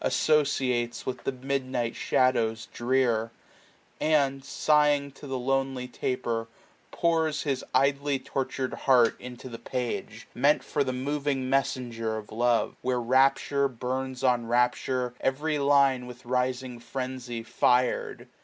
Associates with the midnight shadows drear ; And, sighing to the lonely taper, pours His idly. tortured heart into the page, 1040 Meant for the moving messenger of love ; Where rapture burns on rapture, every line With rising frenzy fir*d.